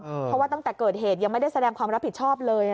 เพราะว่าตั้งแต่เกิดเหตุยังไม่ได้แสดงความรับผิดชอบเลย